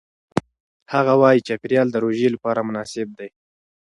هغه وايي چاپېریال د روژې لپاره مناسب دی.